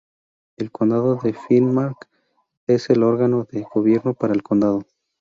El condado de Finnmark es el órgano de gobierno para el condado.